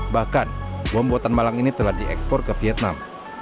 bahkan bom buatan malang ini telah diekspor ke vietnam